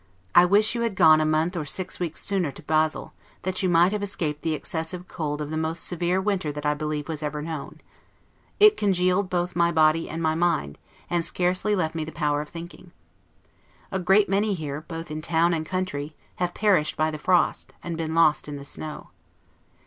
I wish you had gone a month or six weeks sooner to Basle, that you might have escaped the excessive cold of the most severe winter that I believe was ever known. It congealed both my body and my mind, and scarcely left me the power of thinking. A great many here, both in town and country, have perished by the frost, and been lost in the snow.